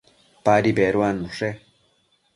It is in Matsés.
Padi beduannushe